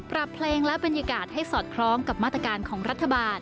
ปรับเพลงและบรรยากาศให้สอดคล้องกับมาตรการของรัฐบาล